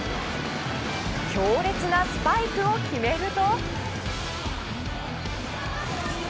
強烈なスパイクを決めると。